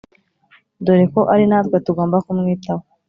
dore ko ari natwe tugomba kumwitaho"